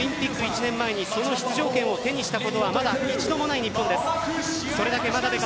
過去にオリンピック１年前にその出場権を手にしたことはまだ一度もない日本です。